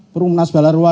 perumahan nas balarua